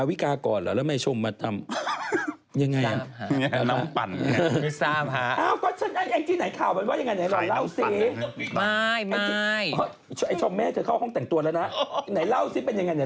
ว่าเรื่องแบบนี้